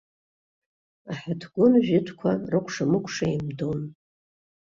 Аҳаҭгәын жәытәқәа рыкәша-мыкәша еимдон.